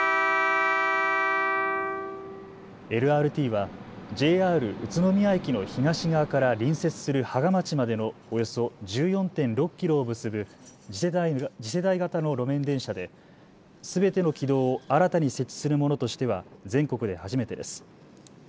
ＬＲＴはＪＲ宇都宮駅の東側から隣接する芳賀町までのおよそ１４．６キロを結ぶ次世代型の路面電車ですべての軌道を新たに設置するものとしては全国で初めてです。